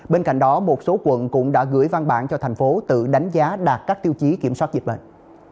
bên cạnh đó một số quận cũng đã gửi văn bản cho thành phố tự đánh giá đạt các tiêu chí kiểm soát dịch bệnh